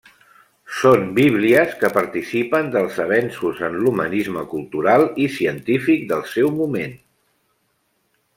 Són Bíblies que participen dels avenços en l'humanisme cultural i científic del seu moment.